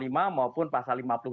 nah ini yang menurut saya lebih fokus